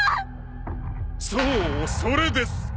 そうそれです！